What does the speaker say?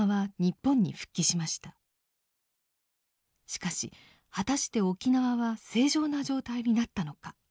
しかし果たして沖縄は正常な状態になったのか。